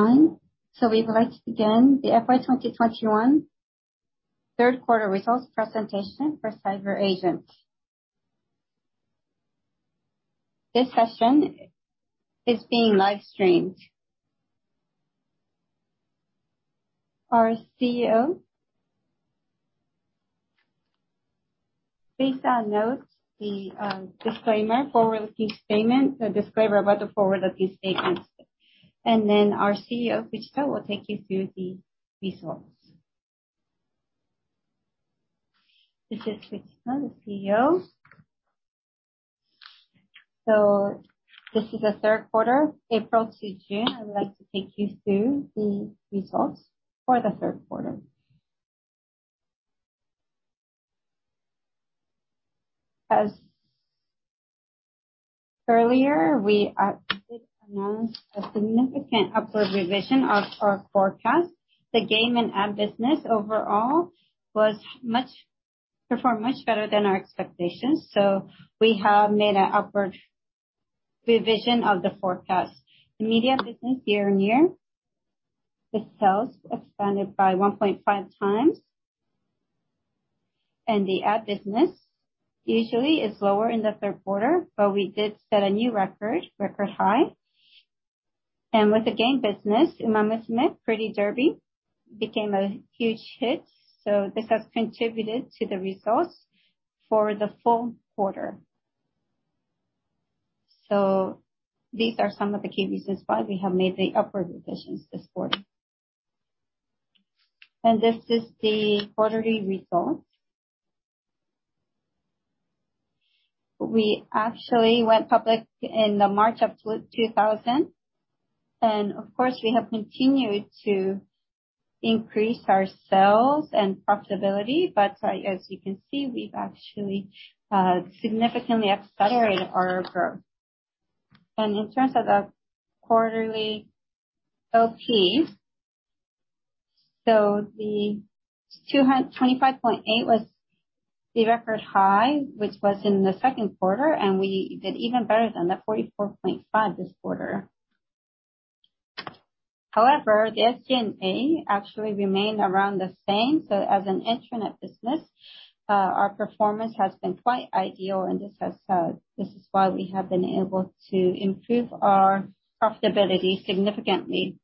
It's time, we'd like to begin the FY 2021 third quarter results presentation for CyberAgent. This session is being live-streamed. Our CEO. Please note the disclaimer about the forward-looking statements. Our CEO, Fujita, will take you through the results. This is Fujita, the CEO. This is the third quarter, April to June. I would like to take you through the results for the third quarter. As earlier, we did announce a significant upward revision of our forecast. The game and ad business overall performed much better than our expectations, so we have made an upward revision of the forecast. The media business year-on-year, the sales expanded by 1.5x. The ad business usually is lower in the third quarter, but we did set a new record high. With the game business, Umamusume: Pretty Derby, became a huge hit. This has contributed to the results for the full quarter. These are some of the key reasons why we have made the upward revisions this quarter. This is the quarterly results. We actually went public in March of 2000, and of course, we have continued to increase our sales and profitability. As you can see, we've actually significantly accelerated our growth. In terms of the quarterly OP, so the 25.8% was the record high, which was in the second quarter, and we did even better than that, 44.5% this quarter. However, the SG&A actually remained around the same. As an internet business, our performance has been quite ideal, and this is why we have been able to improve our profitability significantly.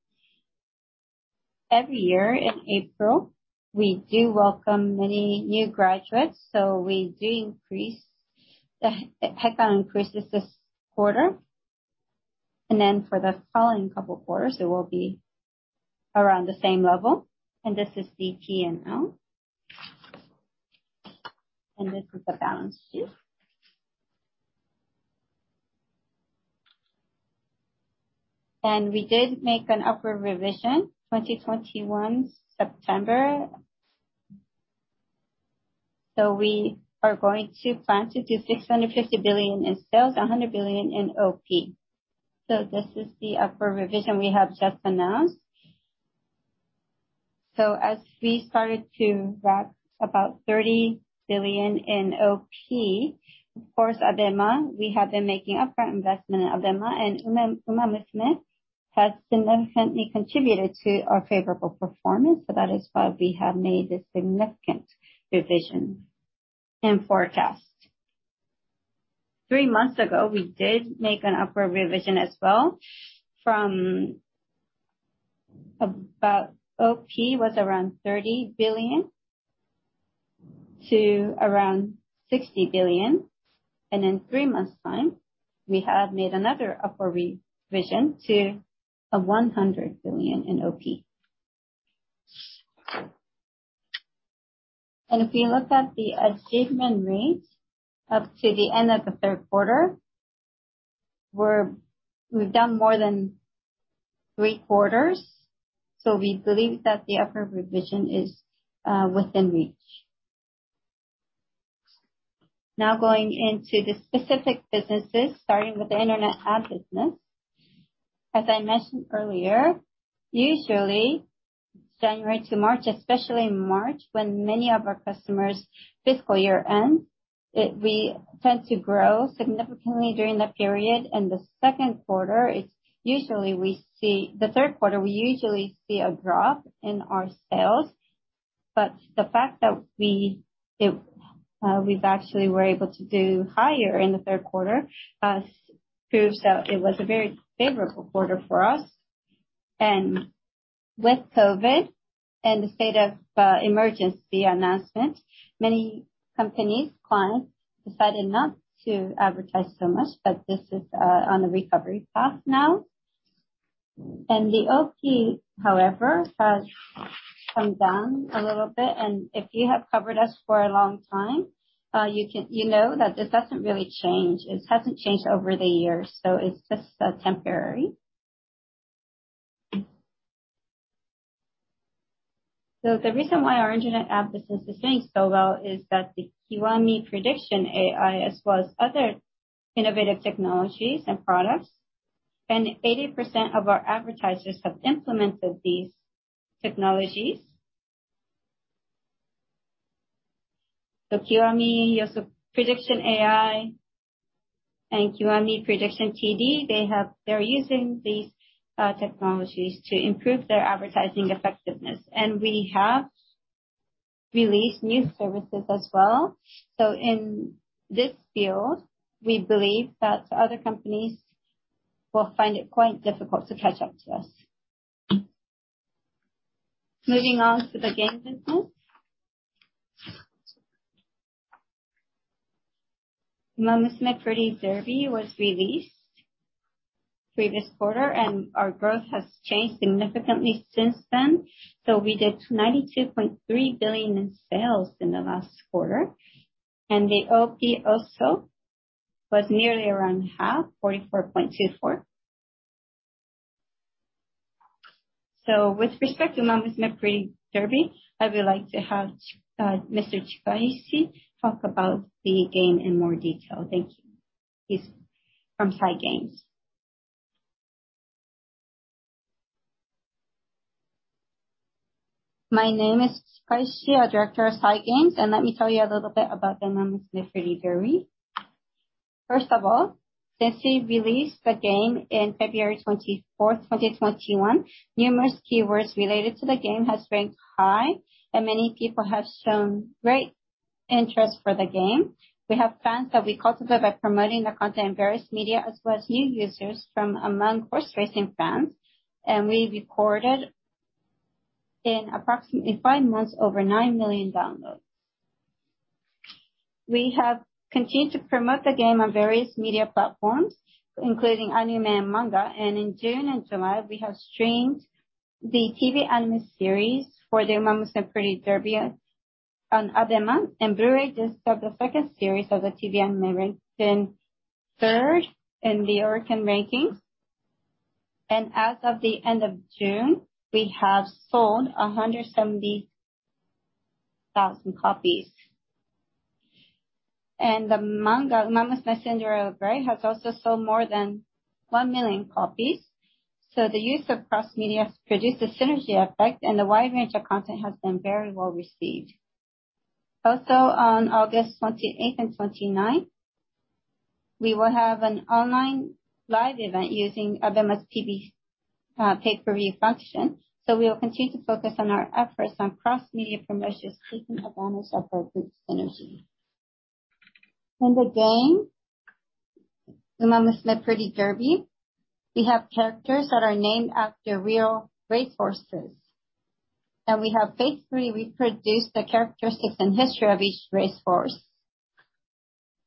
Every year in April, we do welcome many new graduates, so we do increase the headcount increases this quarter. For the following couple quarters, it will be around the same level. This is the P&L. This is the balance sheet. We did make an upward revision 2021, September. We are going to plan to do 650 billion in sales, 100 billion in OP. This is the upward revision we have just announced. As we started to wrap about 30 billion in OP, of course, ABEMA, we have been making upfront investment in ABEMA, and Umamusume has significantly contributed to our favorable performance. That is why we have made a significant revision in forecast. three months ago, we did make an upward revision as well. From about OP was around 30 billion to around 60 billion. In three months' time, we have made another upward revision to a 100 billion in OP. If you look at the achievement rate up to the end of the third quarter, we've done more than three quarters. We believe that the upward revision is within reach. Going into the specific businesses, starting with the internet ad business. As I mentioned earlier, usually January to March, especially March, when many of our customers' fiscal year ends, we tend to grow significantly during that period. The third quarter, we usually see a drop in our sales. The fact that we actually were able to do higher in the third quarter proves that it was a very favorable quarter for us. With COVID and the state of emergency announcement, many companies, clients, decided not to advertise so much. This is on the recovery path now. The OP, however, has come down a little bit, and if you have covered us for a long time, you know that this doesn't really change. It hasn't changed over the years, so it's just temporary. The reason why our internet ad business is doing so well is that the Kiwami Prediction AI, as well as other innovative technologies and products. 80% of our advertisers have implemented these technologies. So Kiwami Prediction AI and Kiwami Prediction TD, they're using these technologies to improve their advertising effectiveness. We have released new services as well. In this field, we believe that other companies will find it quite difficult to catch up to us. Moving on to the game business. Umamusume: Pretty Derby was released previous quarter, and our growth has changed significantly since then. We did 92.3 billion in sales in the last quarter. The OP also was nearly around half, 44.24. With respect to Umamusume: Pretty Derby, I would like to have Mr. Chikaishi talk about the game in more detail. Thank you. He's from Cygames. My name is Chikaishi, Director of Cygames, and let me tell you a little bit about the Umamusume: Pretty Derby. First of all, since we released the game on February 24, 2021, numerous keywords related to the game have ranked high, and many people have shown great interest for the game. We have fans that we cultivate by promoting the content in various media, as well as new users from among horse racing fans, and we recorded, in approximately five months, over 9 million downloads. We have continued to promote the game on various media platforms, including anime and manga, and in June and July, we have streamed the TV anime series for the Umamusume: Pretty Derby on ABEMA, and Blu-ray Disc of the 2nd series of the TV anime ranked 3rd in the Oricon rankings. As of the end of June, we have sold 170,000 copies. The manga, Umamusume: Cinderella Gray, has also sold more than 1 million copies. The use of cross-media has produced a synergy effect, and the wide range of content has been very well received. On August 28th and 29th, we will have an online live event using ABEMA's PPV pay-per-view function. We will continue to focus our efforts on cross-media promotion, seeking ABEMA's appropriate synergy. In the game, Umamusume: Pretty Derby, we have characters that are named after real racehorses, and we have faithfully reproduced the characteristics and history of each racehorse.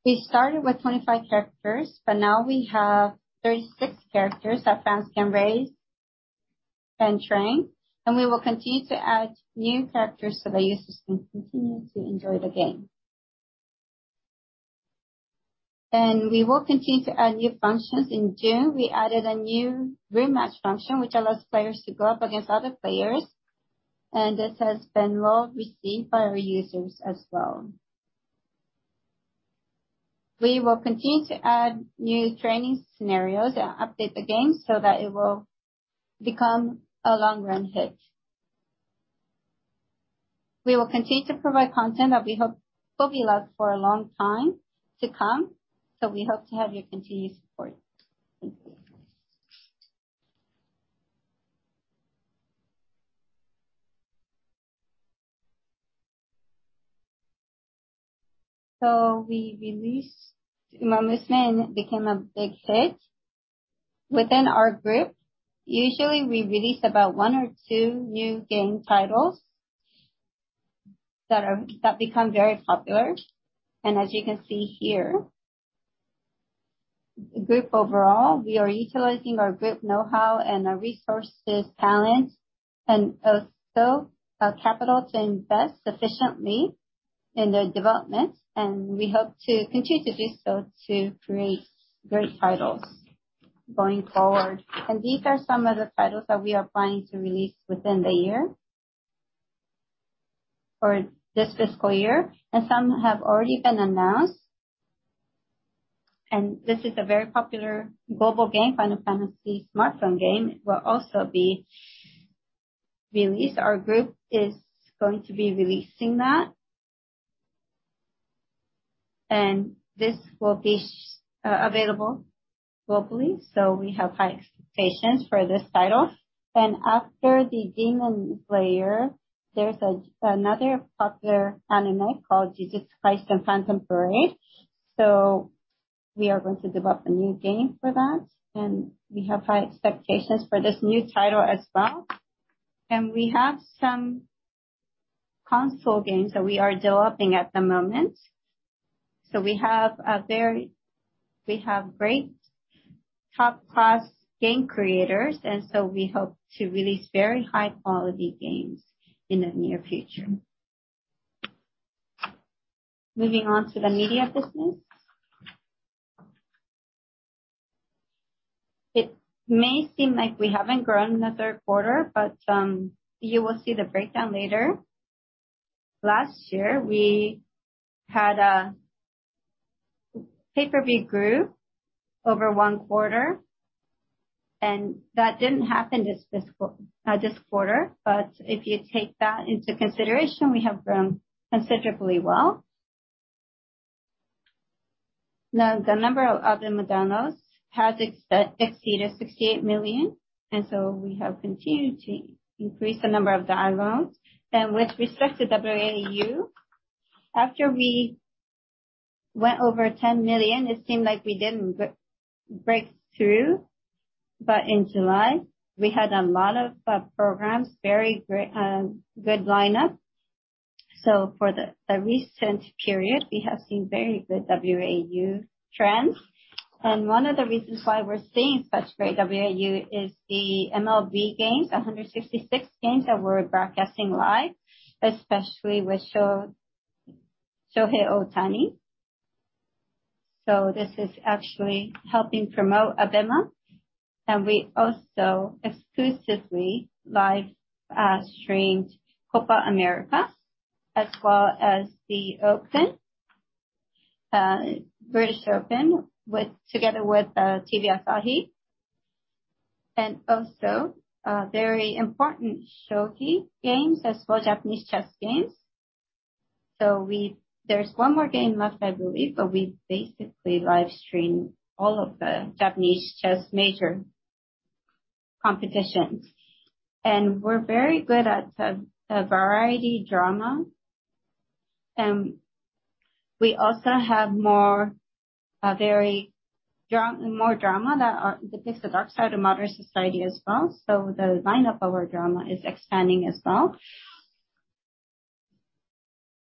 We started with 25 characters. Now we have 36 characters that fans can raise and train. We will continue to add new characters so the users can continue to enjoy the game. We will continue to add new functions. In June, we added a new rematch function, which allows players to go up against other players. This has been well received by our users as well. We will continue to add new training scenarios and update the game so that it will become a long-run hit. We will continue to provide content that we hope will be loved for a long time to come. We hope to have your continued support. Thank you. We released Umamusume, and it became a big hit. Within our group, usually, we release about one or two new game titles that become very popular. As you can see here, group overall, we are utilizing our group knowhow and our resources, talent, and also our capital to invest sufficiently in the development, and we hope to continue to do so to create great titles going forward. These are some of the titles that we are planning to release within the year or this fiscal year, and some have already been announced. This is a very popular global game. Final Fantasy smartphone game will also be released. Our group is going to be releasing that. This will be available globally, so we have high expectations for this title. After the Demon Slayer, there's another popular anime called Jujutsu Kaisen Phantom Parade. We are going to develop a new game for that, and we have high expectations for this new title as well. We have some console games that we are developing at the moment. We have great top-class game creators, and so we hope to release very high-quality games in the near future. Moving on to the media business. It may seem like we haven't grown in the third quarter, but you will see the breakdown later. Last year, we had a pay-per-view grew over one quarter, and that didn't happen this quarter. If you take that into consideration, we have grown considerably well. Now, the number of ABEMA downloads has exceeded 68 million, and so we have continued to increase the number of downloads. With respect to WAU, after we went over 10 million, it seemed like we didn't break through, but in July, we had a lot of programs, very good lineup. For the recent period, we have seen very good WAU trends. One of the reasons why we're seeing such great WAU is the MLB games, 166 games that we're broadcasting live, especially with Shohei Ohtani. This is actually helping promote ABEMA. We also exclusively live streamed Copa América as well as The Open, British Open, together with TV Asahi, and also very important shogi games as well, Japanese chess games. There's one more game left, I believe, but we basically live stream all of the Japanese chess major competitions. We're very good at a variety drama. We also have more drama that depicts the dark side of modern society as well. The lineup of our drama is expanding as well.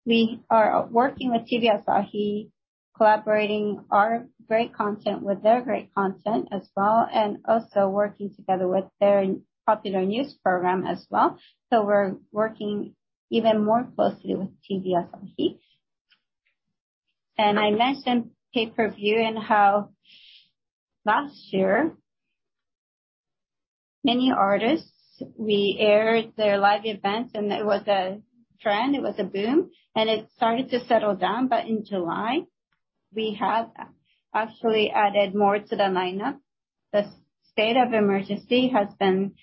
We are working with TV Asahi, collaborating our great content with their great content as well, and also working together with their popular news program as well. We're working even more closely with TV Asahi. I mentioned pay-per-view and how last year, many artists, we aired their live events and it was a trend, it was a boom, and it started to settle down. In July, we have actually added more to the lineup. The state of emergency has been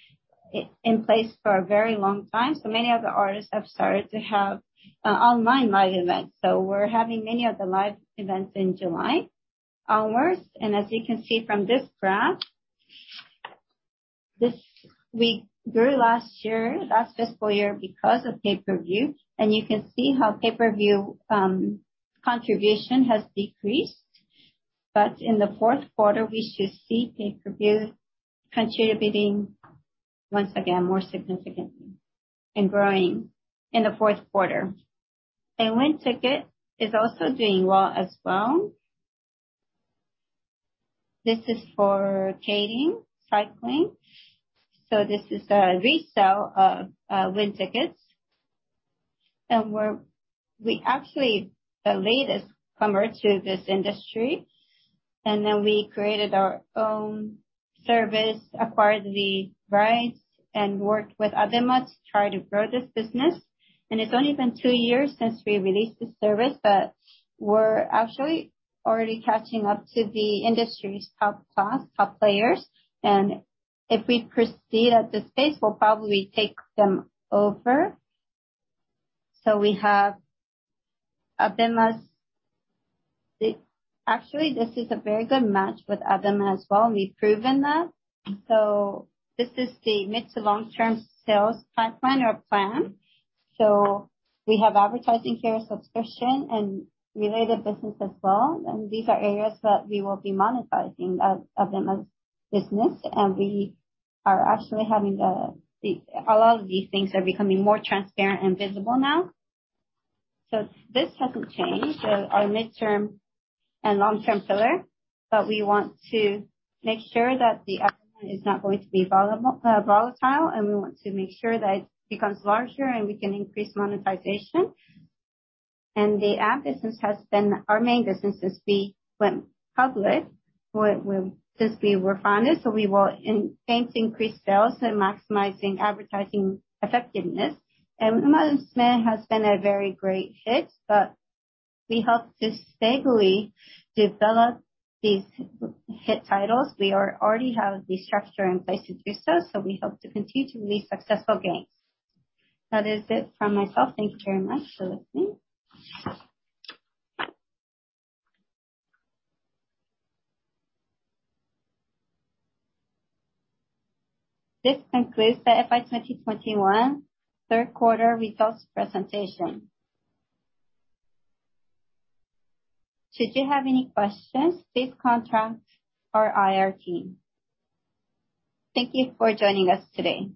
in place for a very long time. Many of the artists have started to have online live events. We're having many of the live events in July onwards. As you can see from this graph, we grew last year, last fiscal year, because of pay-per-view. You can see how pay-per-view contribution has decreased. In the fourth quarter, we should see pay-per-view contributing once again more significantly and growing in the fourth quarter. WINTICKET is also doing well as well. This is for cycling. This is the resale of WINTICKET. We're actually the latest comer to this industry. We created our own service, acquired the rights, and worked with ABEMA to try to grow this business. It's only been two years since we released this service, but we're actually already catching up to the industry's top class, top players. If we proceed at this pace, we'll probably take them over. Actually this is a very good match with ABEMA as well, and we've proven that. This is the mid to long-term sales pipeline or plan. We have advertising here, subscription, and related business as well. These are areas that we will be monetizing ABEMA's business. A lot of these things are becoming more transparent and visible now. This hasn't changed, our midterm and long-term pillar. We want to make sure that ABEMA is not going to be volatile. We want to make sure that it becomes larger. We can increase monetization. The app business has been our main business since we went public, since we were founded, so we will enhance increased sales and maximizing advertising effectiveness. Umamusume has been a very great hit, but we hope to steadily develop these hit titles. We already have the structure in place to do so. We hope to continue to release successful games. That is it from myself. Thank you very much for listening. This concludes the FY 2021 third quarter results presentation. Should you have any questions, please contact our IR team. Thank you for joining us today.